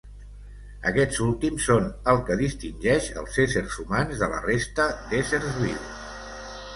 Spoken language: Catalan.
Aquests últims són el que distingeix els éssers humans de la resta d'éssers vius.